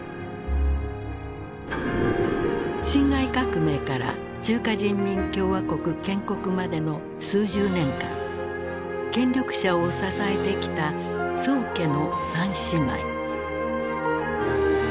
辛亥革命から中華人民共和国建国までの数十年間権力者を支えてきた宋家の三姉妹。